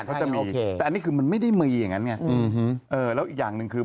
เขาจะมีโอเคแต่อันนี้คือมันไม่ได้มืออย่างนั้นไงอืมเออแล้วอีกอย่างหนึ่งคือ